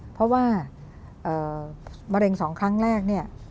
เพราะว่ามะเร็ง๒ครั้งแรก